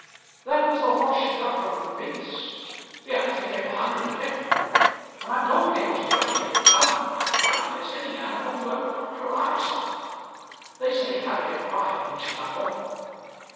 "That was the horse she got from Griggs?" "Yes; she gave a hundred and fifty for him; and I'm told he was as nearly done on Friday as any animal you ever put your eyes on. They say Harriet cried when she got home."